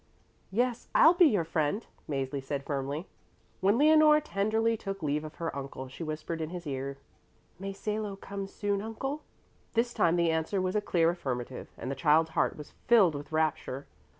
"Yes, I'll be your friend," Mäzli said firmly. When Leonore tenderly took leave of her uncle she whispered in his ear, "May Salo come soon, Uncle?" This time the answer was a clear affirmative, and the child's heart was filled with rapture.